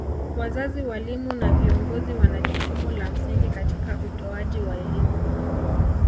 Wazazi walimu na viongozi wana jukumu la msingi katika utoaji wa elimu